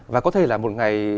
và có thể là một ngày